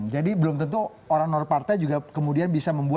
jadi belum tentu orang non partai juga bisa menyebutnya sebagai non partai ya